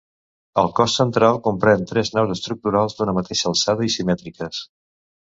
El cos central comprèn tres naus estructurals d'una mateixa alçada i simètriques.